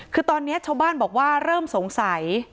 คือตอนนี้ชาวบ้านบอกว่าเริ่มสงสัย